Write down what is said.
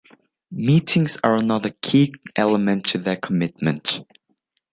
Meetings are another key element of their commitment.